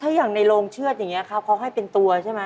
ถ้าอย่างในโรงเชือดอย่างนี้ครับเขาให้เป็นตัวใช่ไหม